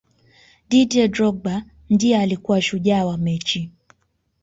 didier drogba ndiye alikuwa shujaa wa mechi